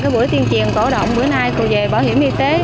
bữa tiên triền cổ động bữa nay về bảo hiểm y tế